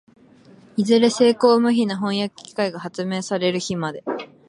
いずれ精巧無比な飜訳機械が発明される日まで、